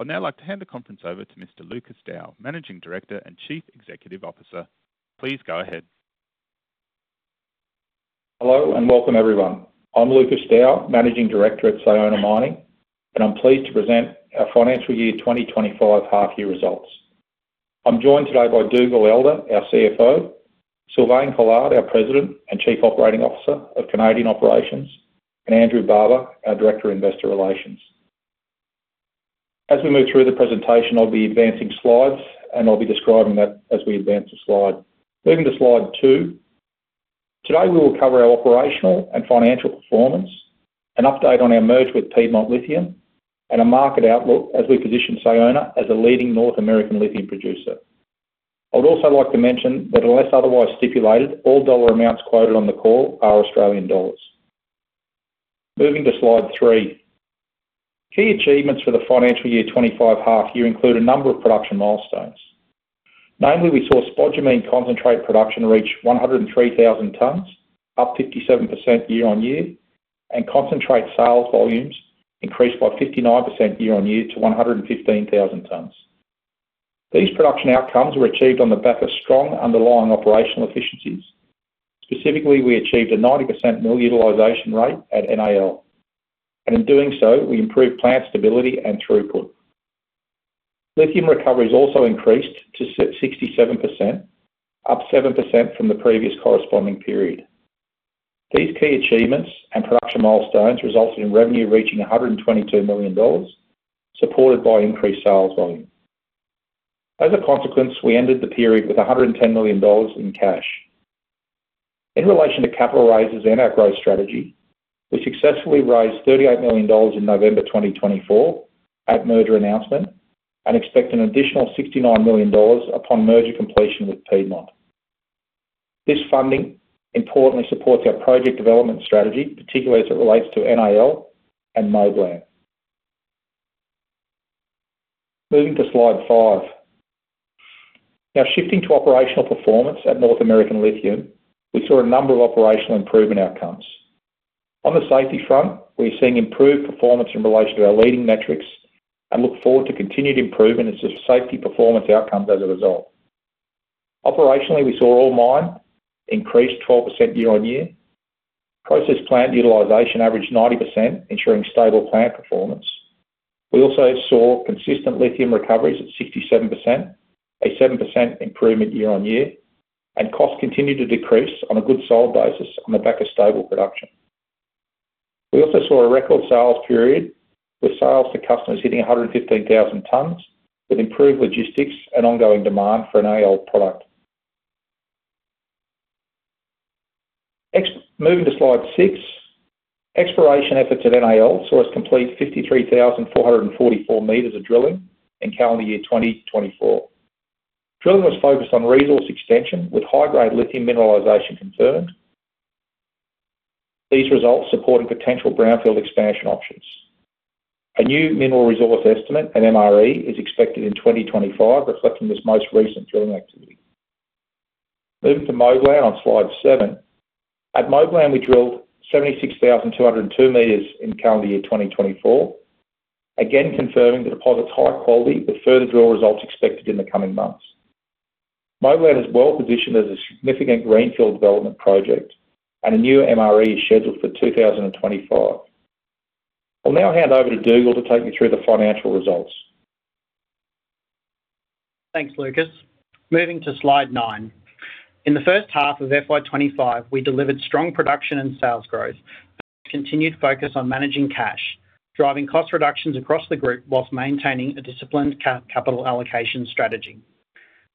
I'd now like to hand the conference over to Mr. Lucas Dow, Managing Director and Chief Executive Officer. Please go ahead. Hello and welcome, everyone. I'm Lucas Dow, Managing Director at Sayona Mining, and I'm pleased to present our financial year 2025 half-year results. I'm joined today by Dougal Elder, our CFO; Sylvain Collard, our President and Chief Operating Officer of Canadian Operations; and Andrew Barber, our Director of Investor Relations. As we move through the presentation, I'll be advancing slides, and I'll be describing that as we advance the slide. Moving to slide two, today we will cover our operational and financial performance, an update on our merger with Piedmont Lithium, and a market outlook as we position Sayona as a leading North American lithium producer. I would also like to mention that, unless otherwise stipulated, all dollar amounts quoted on the call are Australian dollars. Moving to slide three, key achievements for the financial year 2025 half-year include a number of production milestones. Namely, we saw spodumene concentrate production reach 103,000 tons, up 57% year-on-year, and concentrate sales volumes increased by 59% year-on-year to 115,000 tons. These production outcomes were achieved on the back of strong underlying operational efficiencies. Specifically, we achieved a 90% mill utilization rate at NAL, and in doing so, we improved plant stability and throughput. Lithium recovery has also increased to 67%, up 7% from the previous corresponding period. These key achievements and production milestones resulted in revenue reaching 122 million dollars, supported by increased sales volume. As a consequence, we ended the period with 110 million dollars in cash. In relation to capital raises and our growth strategy, we successfully raised AUD 38 million in November 2024 at merger announcement and expect an additional AUD 69 million upon merger completion with Piedmont. This funding importantly supports our project development strategy, particularly as it relates to NAL and Moblan. Moving to slide five. Now, shifting to operational performance at North American Lithium, we saw a number of operational improvement outcomes. On the safety front, we're seeing improved performance in relation to our leading metrics and look forward to continued improvement in safety performance outcomes as a result. Operationally, we saw ore mined increased 12% year-on-year. Process plant utilization averaged 90%, ensuring stable plant performance. We also saw consistent lithium recoveries at 67%, a 7% improvement year-on-year, and costs continued to decrease on a good solid basis on the back of stable production. We also saw a record sales period with sales to customers hitting 115,000 tons, with improved logistics and ongoing demand for NAL product. Moving to slide six, exploration efforts at NAL saw us complete 53,444 m of drilling in calendar year 2024. Drilling was focused on resource extension with high-grade lithium mineralization confirmed. These results supported potential brownfield expansion options. A new mineral resource estimate, an MRE, is expected in 2025, reflecting this most recent drilling activity. Moving to Moblan on slide seven, at Moblan, we drilled 76,202 m in calendar year 2024, again confirming the deposit's high quality with further drill results expected in the coming months. Moblan is well positioned as a significant greenfield development project, and a new MRE is scheduled for 2025. I'll now hand over to Dougal to take you through the financial results. Thanks, Lucas. Moving to slide nine. In the first half of FY 2025, we delivered strong production and sales growth, with continued focus on managing cash, driving cost reductions across the group whilst maintaining a disciplined capital allocation strategy.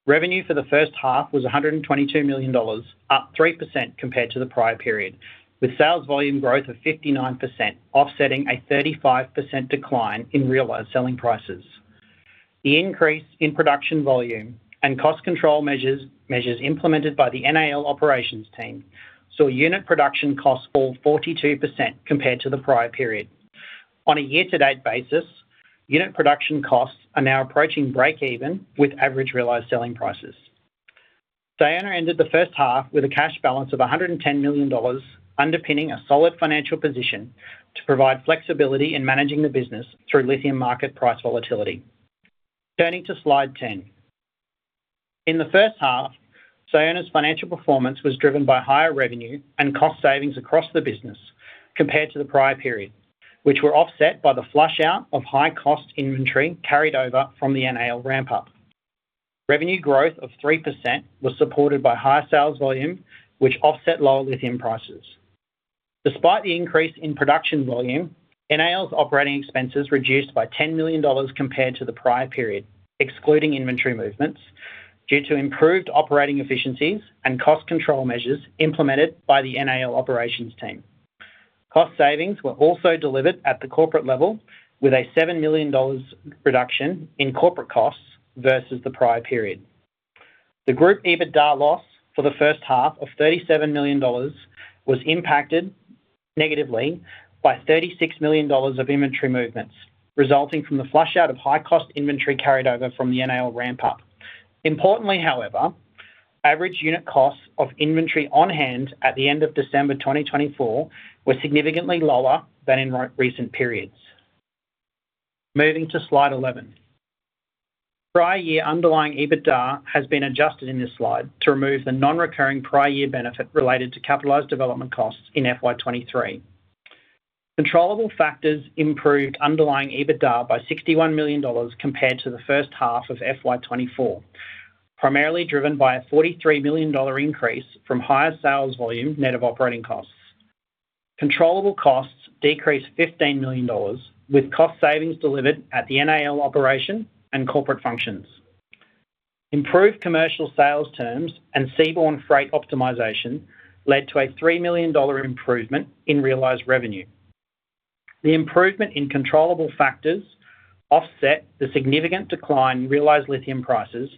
Revenue for the first half was 122 million dollars, up 3% compared to the prior period, with sales volume growth of 59% offsetting a 35% decline in realized selling prices. The increase in production volume and cost control measures implemented by the NAL operations team saw unit production costs fall 42% compared to the prior period. On a year-to-date basis, unit production costs are now approaching break-even with average realized selling prices. Sayona ended the first half with a cash balance of 110 million dollars, underpinning a solid financial position to provide flexibility in managing the business through lithium market price volatility. Turning to slide ten, in the first half, Sayona's financial performance was driven by higher revenue and cost savings across the business compared to the prior period, which were offset by the flush-out of high-cost inventory carried over from the NAL ramp-up. Revenue growth of 3% was supported by high sales volume, which offset lower lithium prices. Despite the increase in production volume, NAL's operating expenses reduced by 10 million dollars compared to the prior period, excluding inventory movements, due to improved operating efficiencies and cost control measures implemented by the NAL operations team. Cost savings were also delivered at the corporate level, with a 7 million dollars reduction in corporate costs versus the prior period. The group EBITDA loss for the first half of 37 million dollars was impacted negatively by 36 million dollars of inventory movements, resulting from the flush-out of high-cost inventory carried over from the NAL ramp-up. Importantly, however, average unit costs of inventory on hand at the end of December 2024 were significantly lower than in recent periods. Moving to slide eleven, prior year underlying EBITDA has been adjusted in this slide to remove the non-recurring prior year benefit related to capitalized development costs in FY 2023. Controllable factors improved underlying EBITDA by AUD 61 million compared to the first half of FY 2024, primarily driven by a AUD 43 million increase from higher sales volume net of operating costs. Controllable costs decreased 15 million dollars, with cost savings delivered at the NAL operation and corporate functions. Improved commercial sales terms and seaborne freight optimization led to a 3 million dollar improvement in realized revenue. The improvement in controllable factors offset the significant decline in realized lithium prices,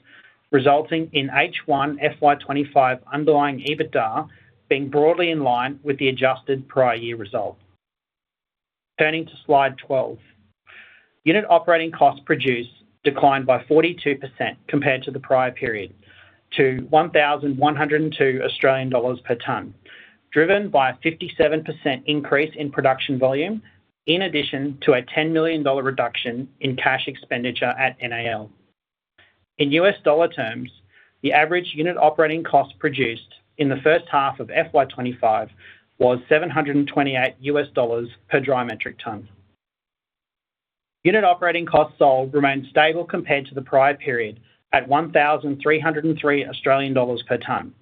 resulting in H1 FY 2025 underlying EBITDA being broadly in line with the adjusted prior year result. Turning to slide twelve, unit operating costs produced declined by 42% compared to the prior period, to 1,102 Australian dollars per ton, driven by a 57% increase in production volume, in addition to a 10 million dollar reduction in cash expenditure at NAL. In U.S. dollar terms, the average unit operating cost produced in the first half of FY 2025 was $728 per dry metric ton. Unit operating costs sold remained stable compared to the prior period, at 1,303 Australian dollars per ton.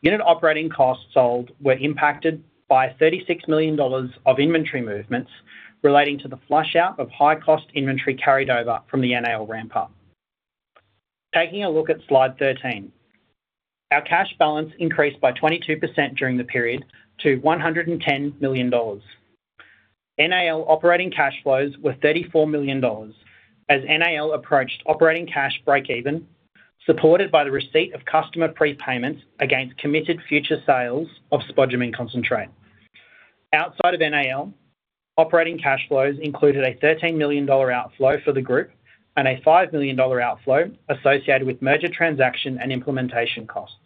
Unit operating costs sold were impacted by 36 million dollars of inventory movements relating to the flush-out of high-cost inventory carried over from the NAL ramp-up. Taking a look at slide thirteen, our cash balance increased by 22% during the period to 110 million dollars. NAL operating cash flows were 34 million dollars as NAL approached operating cash break-even, supported by the receipt of customer prepayments against committed future sales of spodumene concentrate. Outside of NAL, operating cash flows included a 13 million dollar outflow for the group and a 5 million dollar outflow associated with merger transaction and implementation costs.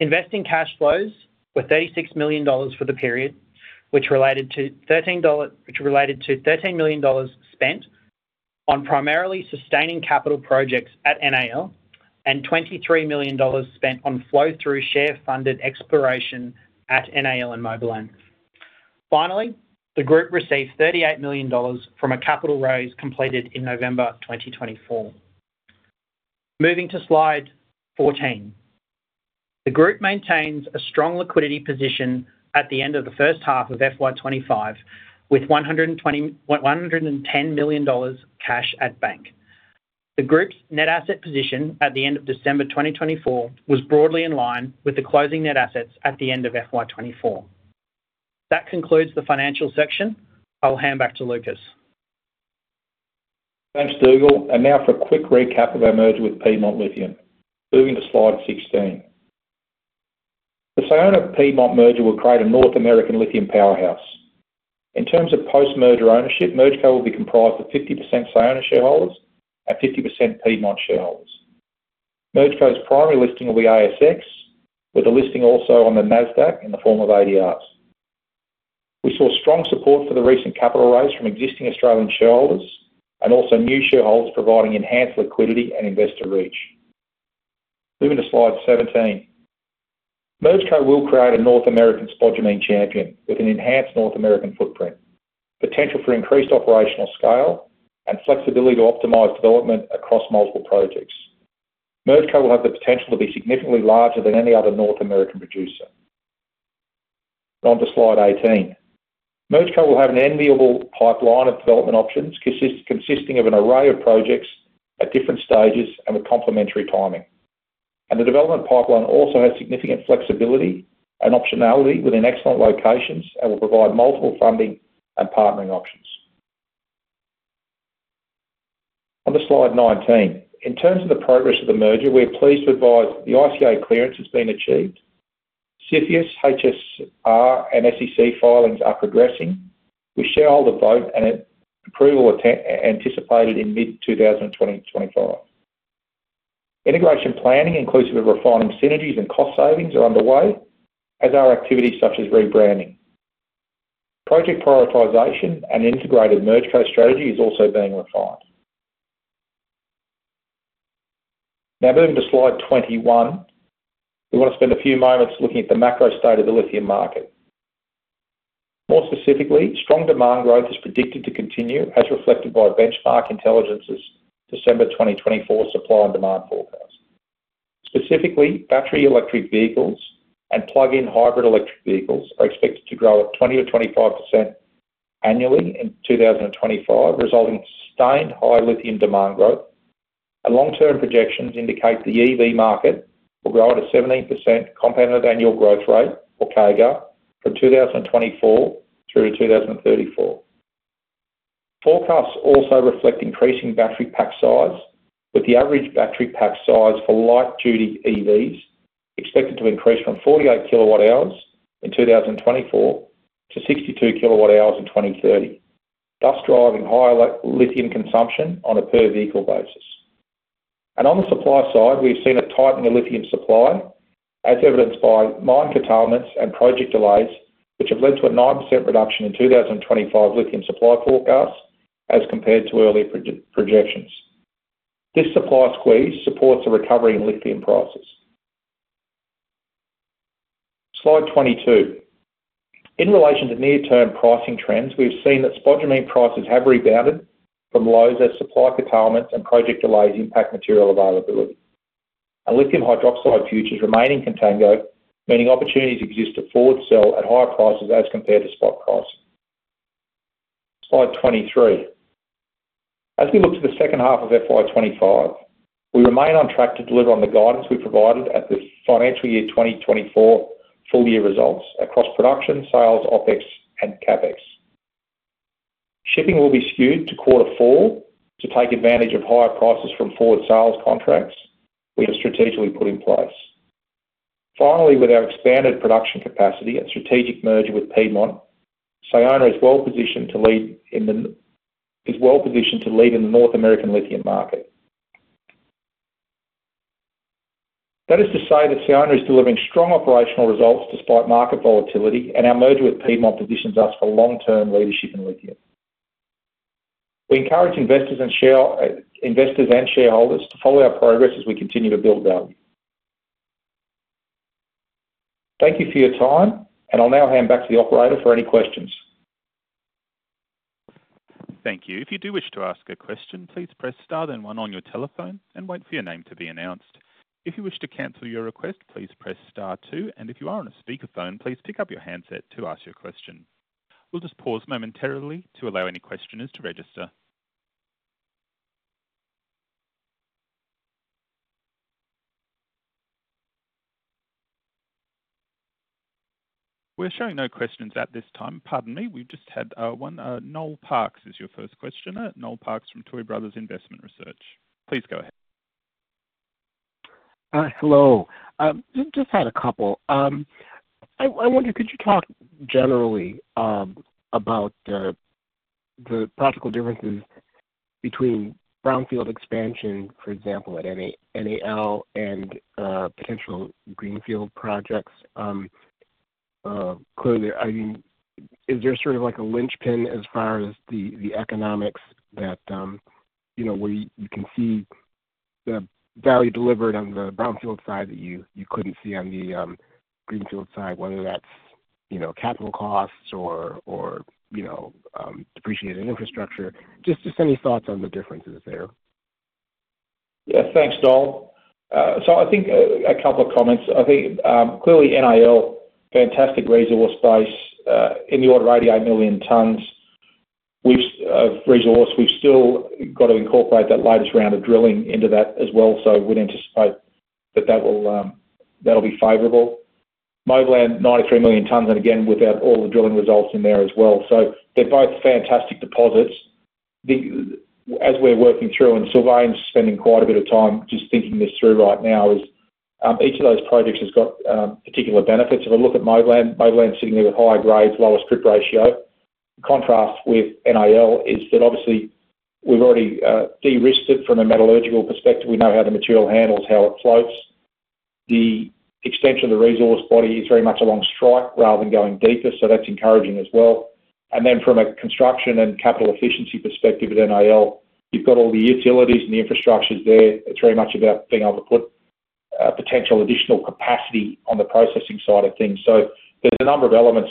Investing cash flows were 36 million dollars for the period, which related to 13 million dollars spent on primarily sustaining capital projects at NAL and 23 million dollars spent on flow-through share-funded exploration at NAL and Moblan. Finally, the group received 38 million dollars from a capital raise completed in November 2024. Moving to slide fourteen, the group maintains a strong liquidity position at the end of the first half of FY 2025, with 110 million dollars cash at bank. The group's net asset position at the end of December 2024 was broadly in line with the closing net assets at the end of FY 2024. That concludes the financial section. I'll hand back to Lucas. Thanks, Dougal. Now for a quick recap of our merger with Piedmont Lithium. Moving to slide sixteen, the Sayona-Piedmont merger will create a North American lithium powerhouse. In terms of post-merger ownership, MergeCo will be comprised of 50% Sayona shareholders and 50% Piedmont shareholders. MergeCo's primary listing will be ASX, with the listing also on the NASDAQ in the form of ADRs. We saw strong support for the recent capital raise from existing Australian shareholders and also new shareholders providing enhanced liquidity and investor reach. Moving to slide seventeen, MergeCo will create a North American spodumene champion with an enhanced North American footprint, potential for increased operational scale, and flexibility to optimize development across multiple projects. MergeCo will have the potential to be significantly larger than any other North American producer. On to slide eighteen, MergeCo will have an enviable pipeline of development options consisting of an array of projects at different stages and with complementary timing. The development pipeline also has significant flexibility and optionality within excellent locations and will provide multiple funding and partnering options. On to slide nineteen, in terms of the progress of the merger, we're pleased to advise the ICA clearance has been achieved. CFIUS, HSR, and SEC filings are progressing. The shareholder vote and approval are anticipated in mid-2025. Integration planning, inclusive of refining synergies and cost savings, are underway, as are activities such as rebranding. Project prioritization and integrated MergeCo strategy are also being refined. Now, moving to slide twenty-one, we want to spend a few moments looking at the macro state of the lithium market. More specifically, strong demand growth is predicted to continue, as reflected by Benchmark Intelligence's December 2024 supply and demand forecast. Specifically, battery electric vehicles and plug-in hybrid electric vehicles are expected to grow at 20%-25% annually in 2025, resulting in sustained high lithium demand growth. Long-term projections indicate the EV market will grow at a 17% compounded annual growth rate, or CAGR, from 2024 through to 2034. Forecasts also reflect increasing battery pack size, with the average battery pack size for light-duty EVs expected to increase from 48 kWh in 2024 to 62 kWh in 2030, thus driving higher lithium consumption on a per-vehicle basis. On the supply side, we've seen a tightening of lithium supply, as evidenced by mine curtailments and project delays, which have led to a 9% reduction in 2025 lithium supply forecasts as compared to earlier projections. This supply squeeze supports the recovery in lithium prices. Slide twenty-two, in relation to near-term pricing trends, we've seen that spodumene prices have rebounded from lows as supply curtailments and project delays impact material availability. Lithium hydroxide futures remain in contango, meaning opportunities exist to forward sell at higher prices as compared to spot pricing. Slide twenty-three, as we look to the second half of FY 2025, we remain on track to deliver on the guidance we provided at the financial year 2024 full-year results across production, sales, OpEx, and CapEx. Shipping will be skewed to quarter four to take advantage of higher prices from forward sales contracts we have strategically put in place. Finally, with our expanded production capacity and strategic merger, Sayona is well positioned to lead in the North American lithium market. That is to say that Sayona is delivering strong operational results despite market volatility, and our merger with Piedmont positions us for long-term leadership in lithium. We encourage investors and shareholders to follow our progress as we continue to build value. Thank you for your time, and I'll now hand back to the operator for any questions. Thank you. If you do wish to ask a question, please press star then one on your telephone and wait for your name to be announced. If you wish to cancel your request, please press star two, and if you are on a speakerphone, please pick up your handset to ask your question. We'll just pause momentarily to allow any questioners to register. We're showing no questions at this time. Pardon me, we've just had one. Noel Parks is your first questioner. Noel Parks from Tuohy Brothers Investment Research. Please go ahead. Hello. Just had a couple. I wonder, could you talk generally about the practical differences between brownfield expansion, for example, at NAL and potential greenfield projects? Clearly, I mean, is there sort of like a linchpin as far as the economics that where you can see the value delivered on the brownfield side that you couldn't see on the greenfield side, whether that's capital costs or depreciated infrastructure? Just any thoughts on the differences there? Yeah, thanks, Noel. I think a couple of comments. I think clearly NAL, fantastic resource base in the order of 88 million tons of resource. We've still got to incorporate that latest round of drilling into that as well, so we'd anticipate that that will be favorable. Moblan, 93 million tons, and again, without all the drilling results in there as well. They are both fantastic deposits. As we're working through, and Sylvain's spending quite a bit of time just thinking this through right now, each of those projects has got particular benefits. If I look at Moblan, Moblan's sitting there with higher grades, lower strip ratio. Contrast with NAL is that obviously we've already de-risked it from a metallurgical perspective. We know how the material handles, how it floats. The extension of the resource body is very much along strike rather than going deeper, so that's encouraging as well. From a construction and capital efficiency perspective at NAL, you've got all the utilities and the infrastructure there. It's very much about being able to put potential additional capacity on the processing side of things. There are a number of elements.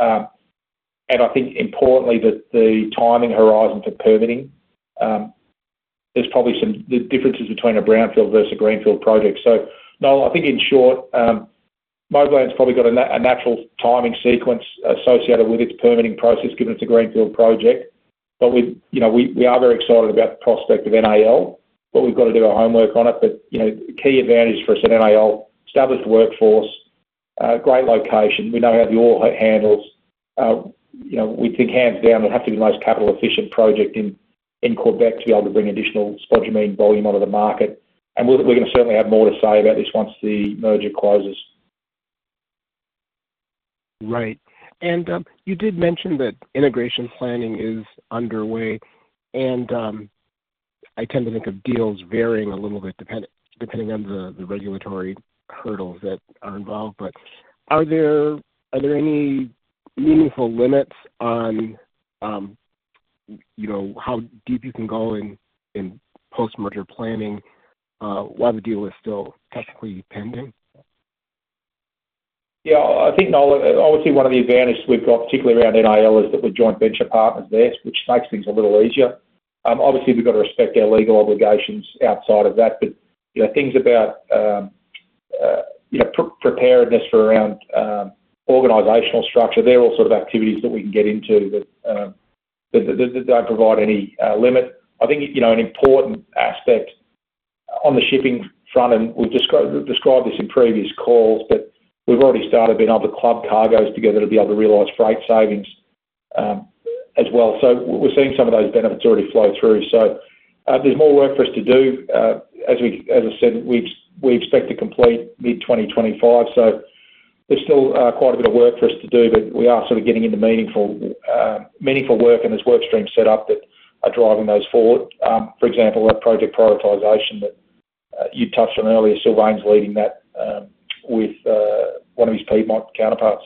I think importantly that the timing horizon for permitting, there's probably some differences between a brownfield versus a greenfield project. Noel, I think in short, Moblan's probably got a natural timing sequence associated with its permitting process given it's a greenfield project. We are very excited about the prospect of NAL, but we've got to do our homework on it. The key advantage for us at NAL, established workforce, great location, we know how the ore handles. We think hands down it'll have to be the most capital-efficient project in Québec to be able to bring additional spodumene volume onto the market. We are going to certainly have more to say about this once the merger closes. Right. You did mention that integration planning is underway, and I tend to think of deals varying a little bit depending on the regulatory hurdles that are involved. Are there any meaningful limits on how deep you can go in post-merger planning while the deal is still technically pending? Yeah, I think obviously one of the advantages we've got, particularly around NAL, is that we're joint venture partners there, which makes things a little easier. Obviously, we've got to respect our legal obligations outside of that. Things about preparedness for around organizational structure, they're all sort of activities that we can get into that don't provide any limit. I think an important aspect on the shipping front, and we've described this in previous calls, but we've already started being able to club cargoes together to be able to realize freight savings as well. We're seeing some of those benefits already flow through. There's more work for us to do. As I said, we expect to complete mid-2025, so there's still quite a bit of work for us to do, but we are sort of getting into meaningful work, and there's work streams set up that are driving those forward. For example, that project prioritization that you touched on earlier, Sylvain's leading that with one of his Piedmont counterparts.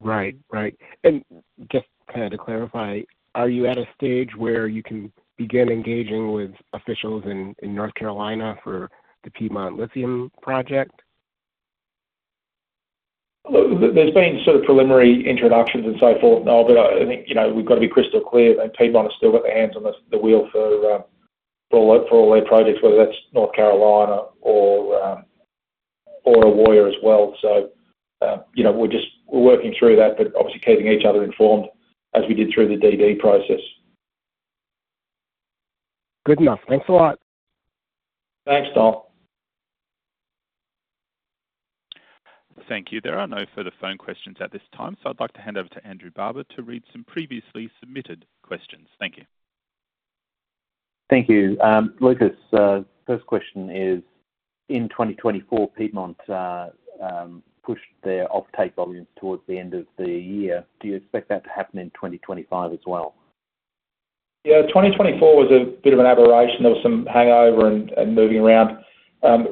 Right, right. Just to clarify, are you at a stage where you can begin engaging with officials in North Carolina for the Piedmont Lithium project? There's been sort of preliminary introductions and so forth and all, but I think we've got to be crystal clear that Piedmont has still got their hands on the wheel for all their projects, whether that's North Carolina or Ewoyaa as well. We are working through that, obviously keeping each other informed as we did through the DD process. Good enough. Thanks a lot. Thanks, Noel. Thank you. There are no further phone questions at this time, so I'd like to hand over to Andrew Barber to read some previously submitted questions. Thank you. Thank you. Lucas, first question is, in 2024, Piedmont pushed their off-take volumes towards the end of the year. Do you expect that to happen in 2025 as well? Yeah, 2024 was a bit of an aberration. There was some hangover and moving around.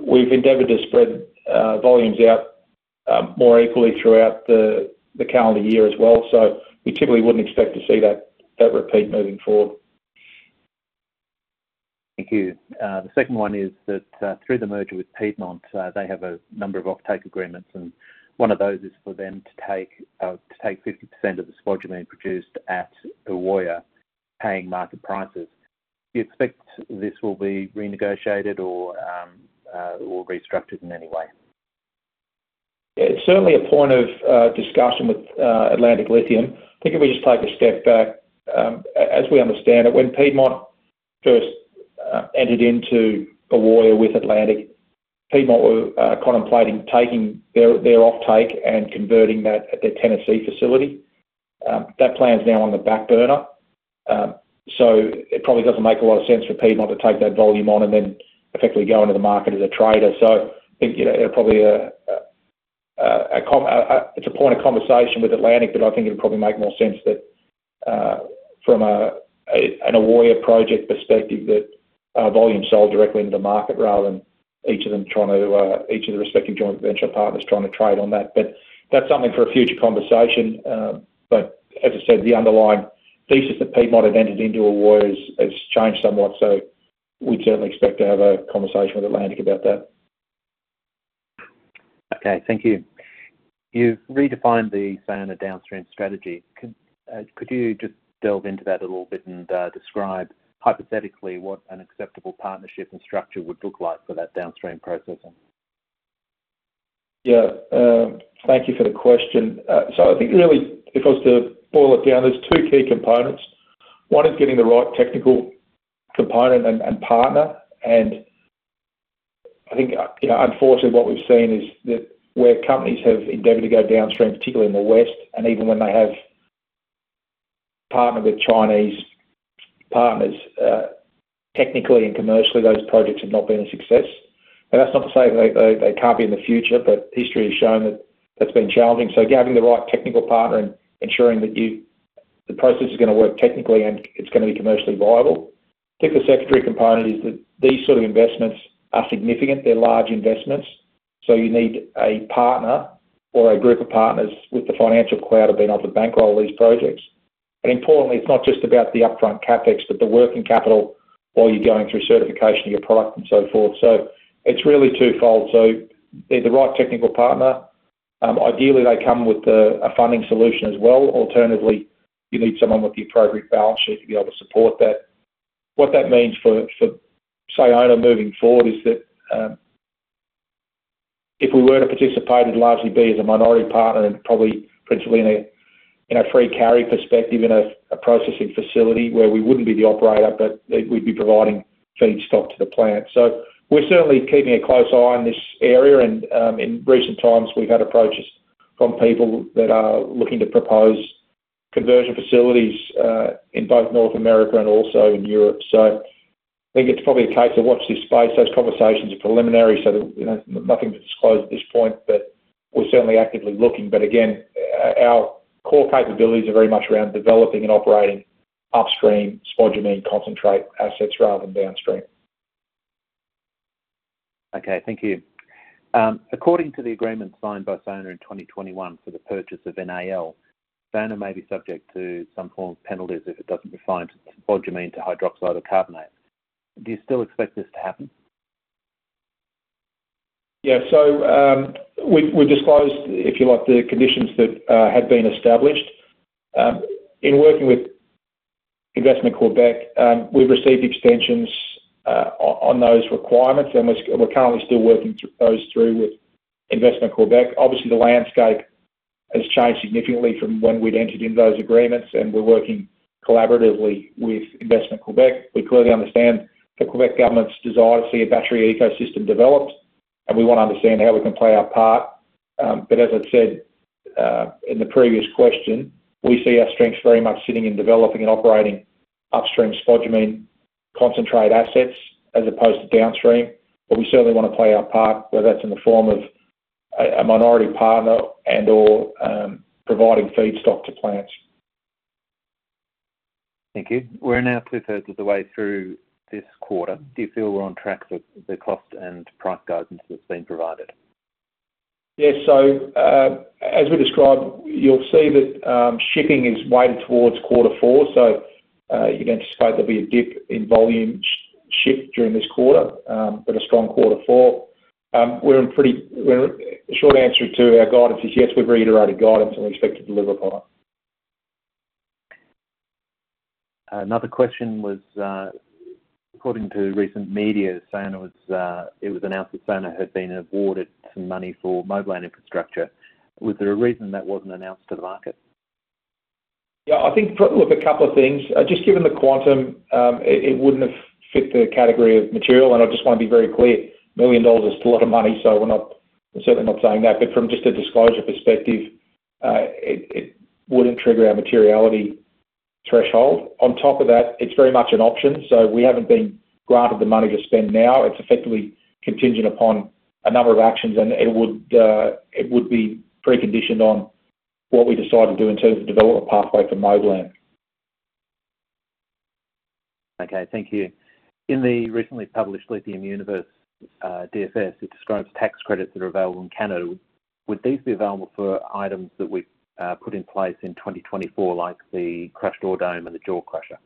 We've endeavored to spread volumes out more equally throughout the calendar year as well, so we typically wouldn't expect to see that repeat moving forward. Thank you. The second one is that through the merger with Piedmont, they have a number of off-take agreements, and one of those is for them to take 50% of the spodumene produced at the Ewoyaa paying market prices. Do you expect this will be renegotiated or restructured in any way? It's certainly a point of discussion with Atlantic Lithium. I think if we just take a step back, as we understand it, when Piedmont first entered into Ewoyaa with Atlantic, Piedmont were contemplating taking their off-take and converting that at their Tennessee facility. That plan's now on the back burner, so it probably doesn't make a lot of sense for Piedmont to take that volume on and then effectively go into the market as a trader. I think it'll probably be a—it's a point of conversation with Atlantic, but I think it'll probably make more sense that from an Ewoyaa project perspective that volumes sold directly into the market rather than each of them trying to—each of the respective joint venture partners trying to trade on that. That's something for a future conversation. As I said, the underlying thesis that Piedmont had entered into Ewoyaa has changed somewhat, so we'd certainly expect to have a conversation with Atlantic about that. Okay, thank you. You've redefined the Sayona downstream strategy. Could you just delve into that a little bit and describe hypothetically what an acceptable partnership and structure would look like for that downstream processing? Yeah, thank you for the question. I think really, if I was to boil it down, there's two key components. One is getting the right technical component and partner. I think, unfortunately, what we've seen is that where companies have endeavored to go downstream, particularly in the west, and even when they have partnered with Chinese partners, technically and commercially, those projects have not been a success. That's not to say they can't be in the future, but history has shown that that's been challenging. Having the right technical partner and ensuring that the process is going to work technically and it's going to be commercially viable. I think the secondary component is that these sort of investments are significant. They're large investments, so you need a partner or a group of partners with the financial clout of being able to bankroll these projects. Importantly, it's not just about the upfront CapEx, but the working capital while you're going through certification of your product and so forth. It's really twofold. The right technical partner, ideally, comes with a funding solution as well. Alternatively, you need someone with the appropriate balance sheet to be able to support that. What that means for Sayona moving forward is that if we were to participate, it would largely be as a minority partner and probably principally in a free carry perspective in a processing facility where we wouldn't be the operator, but we'd be providing feedstock to the plant. We're certainly keeping a close eye on this area. In recent times, we've had approaches from people that are looking to propose conversion facilities in both North America and also in Europe. I think it's probably a case of watch this space. Those conversations are preliminary, so nothing to disclose at this point. We're certainly actively looking. Again, our core capabilities are very much around developing and operating upstream spodumene concentrate assets rather than downstream. Okay, thank you. According to the agreement signed by Sayona in 2021 for the purchase of NAL, Sayona may be subject to some form of penalties if it doesn't refine spodumene to hydroxide or carbonate. Do you still expect this to happen? Yeah, so we've disclosed, if you like, the conditions that had been established. In working with Investment Quebec, we've received extensions on those requirements, and we're currently still working those through with Investment Quebec. Obviously, the landscape has changed significantly from when we'd entered into those agreements, and we're working collaboratively with Investment Quebec. We clearly understand the Quebec government's desire to see a battery ecosystem developed, and we want to understand how we can play our part. As I'd said in the previous question, we see our strengths very much sitting in developing and operating upstream spodumene concentrate assets as opposed to downstream. We certainly want to play our part, whether that's in the form of a minority partner and/or providing feedstock to plants. Thank you. We're now 2/3 of the way through this quarter. Do you feel we're on track with the cost and price guidance that's been provided? Yes, as we described, you'll see that shipping is weighted towards quarter four. You can anticipate there will be a dip in volume shipped during this quarter, but a strong quarter four. A short answer to our guidance is yes, we've reiterated guidance, and we expect to deliver upon it. Another question was, according to recent media, Sayona was announced that Sayona had been awarded some money for Moblan infrastructure. Was there a reason that wasn't announced to the market? Yeah, I think look, a couple of things. Just given the quantum, it wouldn't have fit the category of material. I just want to be very clear, a million dollars is a lot of money, so we're certainly not saying that. From just a disclosure perspective, it wouldn't trigger our materiality threshold. On top of that, it's very much an option, so we haven't been granted the money to spend now. It's effectively contingent upon a number of actions, and it would be preconditioned on what we decide to do in terms of develop a pathway for Moblan. Okay, thank you. In the recently published Lithium Universe DFS, it describes tax credits that are available in Canada. Would these be available for items that we put in place in 2024, like the crushed ore dome and the jaw crusher?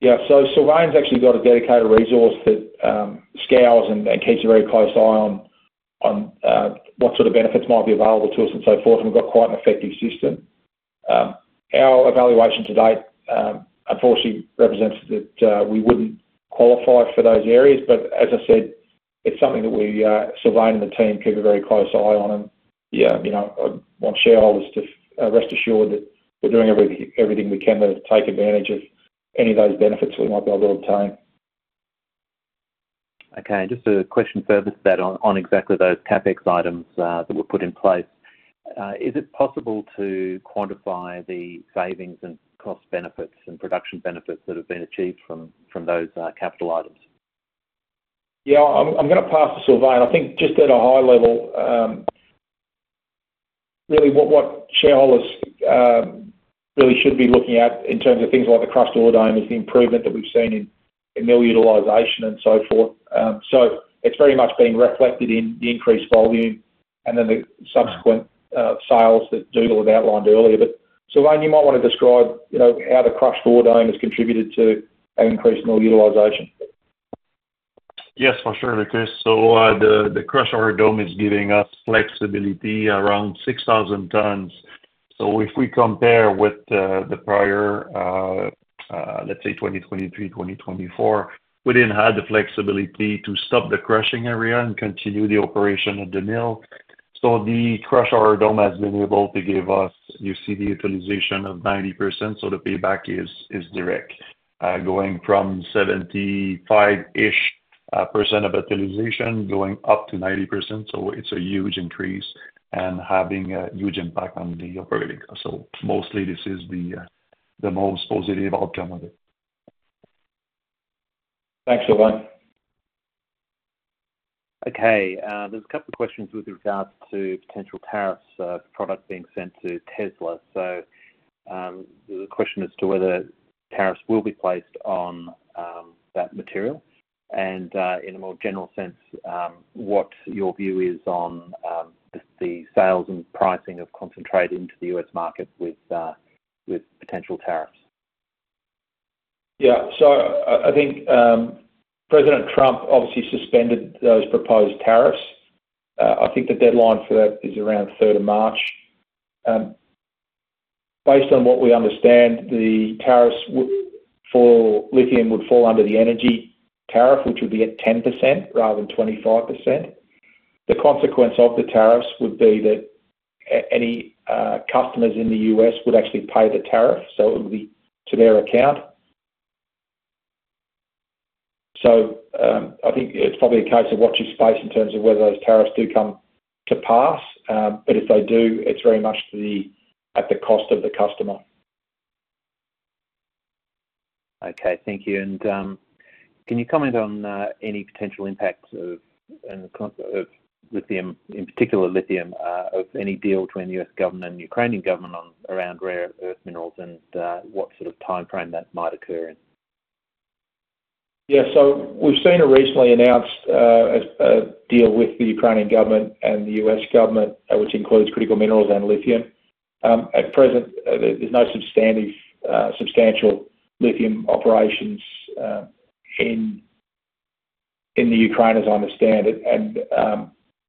Yeah, so Sylvain's actually got a dedicated resource that scales and keeps a very close eye on what sort of benefits might be available to us and so forth, and we've got quite an effective system. Our evaluation to date, unfortunately, represents that we wouldn't qualify for those areas. As I said, it's something that Sylvain and the team keep a very close eye on, and I want shareholders to rest assured that we're doing everything we can to take advantage of any of those benefits we might be able to obtain. Okay, just a question further to that on exactly those CapEx items that were put in place. Is it possible to quantify the savings and cost benefits and production benefits that have been achieved from those capital items? Yeah, I'm going to pass to Sylvain. I think just at a high level, really what shareholders really should be looking at in terms of things like the crushed ore dome is the improvement that we've seen in mill utilization and so forth. It is very much being reflected in the increased volume and then the subsequent sales that Dougal had outlined earlier. Sylvain, you might want to describe how the crushed ore dome has contributed to an increased mill utilization. Yes, for sure, Lucas. The crushed ore dome is giving us flexibility around 6,000 tons. If we compare with the prior, let's say 2023, 2024, we didn't have the flexibility to stop the crushing area and continue the operation at the mill. The crushed ore dome has been able to give us, you see the utilization of 90%, so the payback is direct, going from 75-ish % of utilization going up to 90%. It is a huge increase and having a huge impact on the operating. Mostly this is the most positive outcome of it. Thanks, Sylvain. Okay, there's a couple of questions with regards to potential tariffs for products being sent to Tesla. The question is to whether tariffs will be placed on that material. In a more general sense, what your view is on the sales and pricing of concentrate into the U.S. market with potential tariffs? Yeah, I think President Trump obviously suspended those proposed tariffs. I think the deadline for that is around 3rd of March. Based on what we understand, the tariffs for lithium would fall under the energy tariff, which would be at 10% rather than 25%. The consequence of the tariffs would be that any customers in the U.S. would actually pay the tariff, so it would be to their account. I think it is probably a case of watch this space in terms of whether those tariffs do come to pass. If they do, it is very much at the cost of the customer. Okay, thank you. Can you comment on any potential impact of lithium, in particular lithium, of any deal between the U.S. government and Ukrainian government around rare earth minerals and what sort of timeframe that might occur in? Yeah, so we've seen a recently announced deal with the Ukrainian government and the U.S. government, which includes critical minerals and lithium. At present, there's no substantial lithium operations in Ukraine, as I understand it.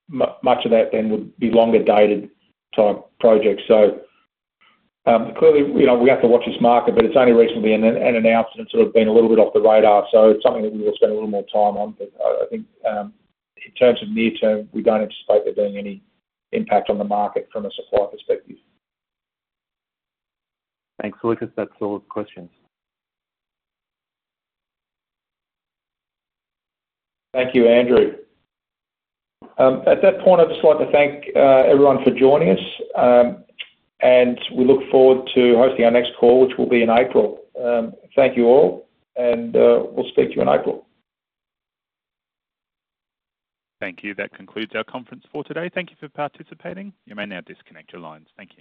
Much of that then would be longer dated type projects. Clearly, we have to watch this market, but it's only recently been announced and sort of been a little bit off the radar. It's something that we will spend a little more time on. I think in terms of near term, we don't anticipate there being any impact on the market from a supply perspective. Thanks. Lucas, that's all the questions. Thank you, Andrew. At that point, I'd just like to thank everyone for joining us, and we look forward to hosting our next call, which will be in April. Thank you all, and we'll speak to you in April. Thank you. That concludes our conference for today. Thank you for participating. You may now disconnect your lines. Thank you.